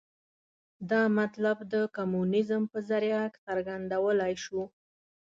دا مطلب د کمونیزم په ذریعه څرګندولای شو.